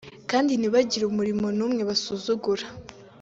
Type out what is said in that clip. kandi ntibagire umurimo n’umwe basuzugura